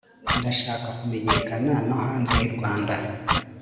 ndashaka kumenyekana no hanze y’u rwanda